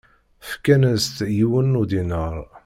Fkan-as-d yiwen n udinaṛ.